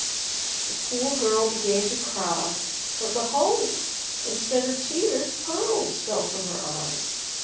The poor girl began to cry, but behold! instead of tears pearls fell from her eyes.